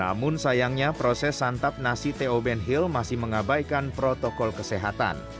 namun sayangnya proses santap nasi t o benhil masih mengabaikan protokol kesehatan